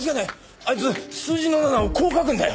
あいつ数字の７をこう書くんだよ。